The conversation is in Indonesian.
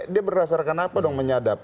dia berdasarkan apa dong menyadap